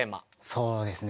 そうですね